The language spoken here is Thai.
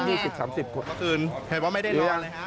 เมื่อก่อนเห็นว่าไม่ได้นอนเลยนะคะ